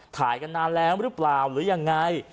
ถ่ายกันนานแล้วหรือเปล่าหรือยังไง